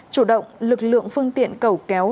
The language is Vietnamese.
chủ động lực lượng phương tiện cầu kéo